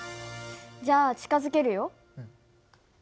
じゃあ近づけるよ。